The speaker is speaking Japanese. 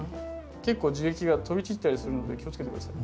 結構樹液が飛び散ったりするので気をつけて下さいね。